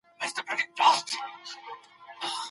ولي ځینې پوهان ټولنیزې ستونزې هېروي؟